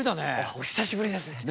お久しぶりです。